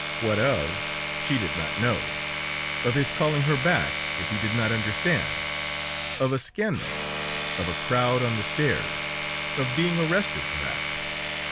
What of? She did not know! Of his calling her back, if he did not understand? Of a scandal? Of a crowd on the stairs? Of being arrested, perhaps?